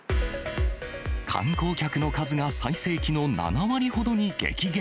観光客の数が最盛期の７割ほどに激減。